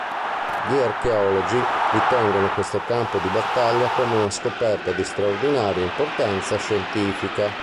Gli archeologi ritengono questo campo di battaglia come una scoperta di straordinaria importanza scientifica.